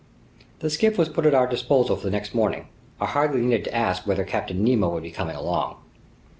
The skiff was put at our disposal for the next morning. I hardly needed to ask whether Captain Nemo would be coming along.